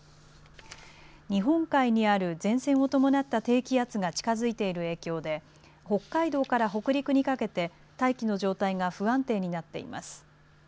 日本海にある前線を伴った低気圧が近づいている影響で北海道から北陸にかけて大気の状態が不安定になっています。